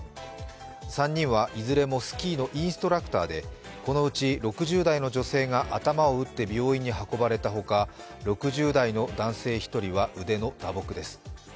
３人はいずれもスキーのインストラクターで、このうち６０代の女性が頭を打って病院に運ばれた他、６０代の男性１人は腕の打撲です。